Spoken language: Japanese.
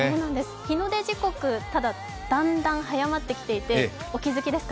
日の出時刻だんだん早まってきていて、お気づきですか？